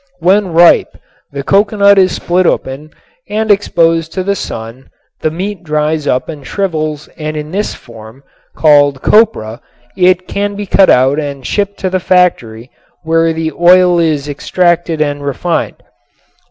When the ripe coconut is split open and exposed to the sun the meat dries up and shrivels and in this form, called "copra," it can be cut out and shipped to the factory where the oil is extracted and refined.